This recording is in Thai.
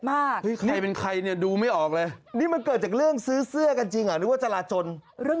ไม่ได้ไม่ได้ไม่ได้ไม่ได้ไม่ได้ไม่ได้